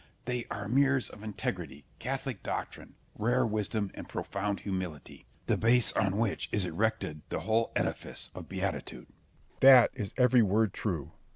They are mirrors of integrity, catholic doctrine, rare wisdom, and profound humility, the base on which is erected the whole edifice of beatitude. Berg. That is every word true.